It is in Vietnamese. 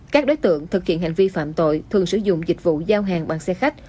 các đối tượng thực hiện hành vi phạm tội thường sử dụng dịch vụ giao hàng bằng xe khách